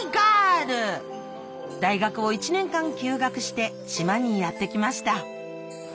大学を１年間休学して島にやって来ました。